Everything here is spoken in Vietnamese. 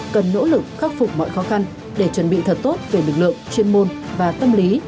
cần nỗ lực khắc phục mọi khó khăn để chuẩn bị thật tốt về lực lượng chuyên môn và tâm lý